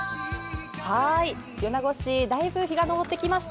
米子市、だいぶ日が昇ってきました。